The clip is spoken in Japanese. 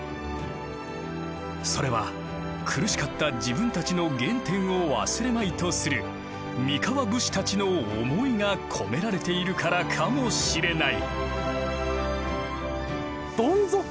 それは苦しかった自分たちの原点を忘れまいとする三河武士たちの思いが込められているからかもしれない。